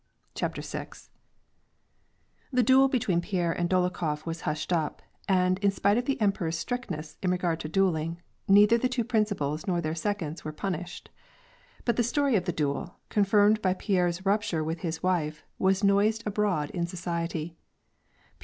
CHAPTER VL The duel between Pierre and Dolokhof was hushed ujs and, in spite of the emperor's strictness in regard to duelling, neither the two principals nor their seconds were punished. But the story of the duel, confirmed by Pierre's rupture with his wife, was noised abroad in society.